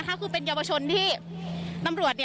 คุณภาคภูมิพยายามอยู่ในจุดที่ปลอดภัยด้วยนะคะ